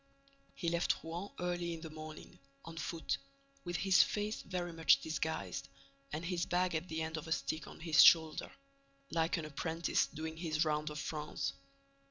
He left Rouen early in the morning, on foot, with his face very much disguised and his bag at the end of a stick on his shoulder, like an apprentice doing his round of France.